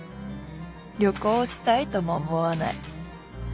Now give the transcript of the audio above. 旅行したいとも思わない。